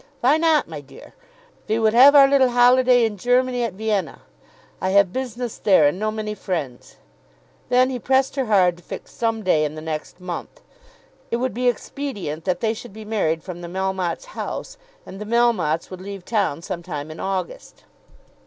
"Vy not, my dear? Ve would have our little holiday in Germany, at Vienna. I have business there, and know many friends." Then he pressed her hard to fix some day in the next month. It would be expedient that they should be married from the Melmottes' house, and the Melmottes would leave town some time in August.